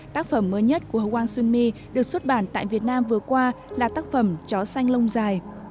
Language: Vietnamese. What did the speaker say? tác phẩm mới nhất của hoàng xuân my được xuất bản tại việt nam vừa qua là tác phẩm chó xanh lông dài